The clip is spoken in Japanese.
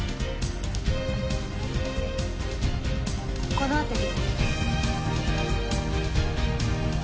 この辺り。